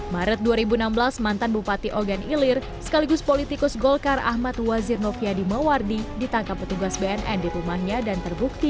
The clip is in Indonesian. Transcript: maret dua ribu enam belas mantan bupati ogan ilir sekaligus politikus golkar ahmad wazir noviadi mewardi ditangkap petugas bnn di rumahnya dan terbukti